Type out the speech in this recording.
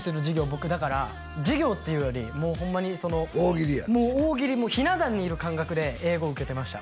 僕だから授業っていうよりもうホンマに大喜利や大喜利ひな壇にいる感覚で英語受けてました